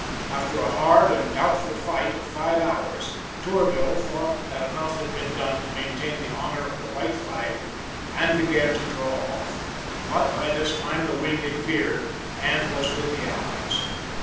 After a hard and doubtful fight of five hours, Tourville thought that enough had been done to maintain the honour of the white flag, and began to draw off. But by this time the wind had veered, and was with the allies.